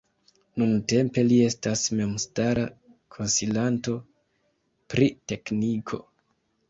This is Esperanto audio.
Nuntempe li estas memstara konsilanto pri tekniko.